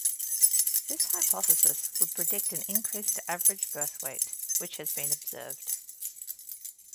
This hypothesis would predict an increased average birth weight, which has been observed.